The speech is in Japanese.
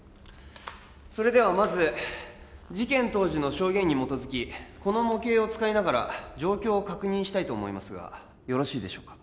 それではまず事件当時の証言に基づきこの模型を使いながら状況を確認したいと思いますがよろしいでしょうか？